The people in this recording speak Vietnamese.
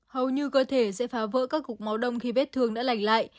hầu như cơ thể sẽ phá vỡ các cục máu đông khi vết thương đã lành lại